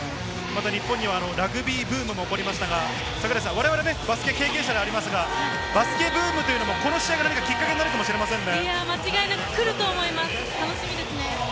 日本ではラグビーブームも起こりましたが、我々、バスケ経験者はありますが、バスケブームもこれがきっかけになるかもしれませんね。